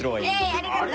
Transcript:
ありがとう！